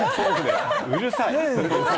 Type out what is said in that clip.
うるさい！